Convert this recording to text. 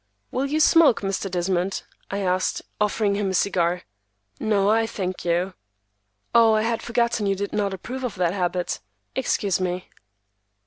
"Will you smoke, Mr. Desmond?" I asked, offering him a cigar. "No, I thank you." "Oh, I had forgotten you did not approve of the habit. Excuse me."